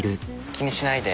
気にしないで。